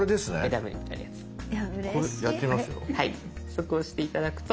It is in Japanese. そこ押して頂くと。